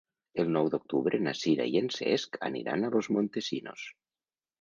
El nou d'octubre na Sira i en Cesc aniran a Los Montesinos.